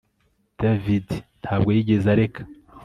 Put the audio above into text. David ntabwo yigeze areka